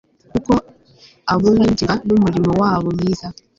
kuko abungukirwa n umurimo wabo mwiza